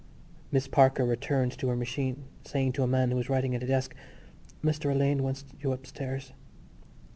Miss Parker returned to her machine, saying to a man who was writing at a desk: "Mr Alleyne wants you upstairs."